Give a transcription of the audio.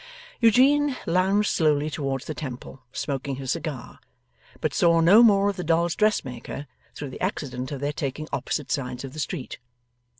Eugene lounged slowly towards the Temple, smoking his cigar, but saw no more of the dolls' dressmaker, through the accident of their taking opposite sides of the street.